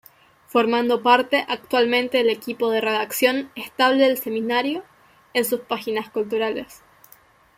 Formando parte actualmente del equipo de redacción estable del semanario, en sus páginas culturales.